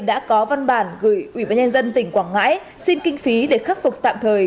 đã có văn bản gửi ủy ban nhân dân tỉnh quảng ngãi xin kinh phí để khắc phục tạm thời